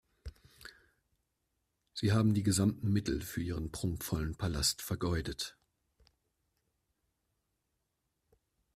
Sie haben die gesamten Mittel für Ihren prunkvollen Palast vergeudet.